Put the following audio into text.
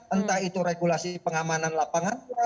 entah itu regulasi pengamanan lapangan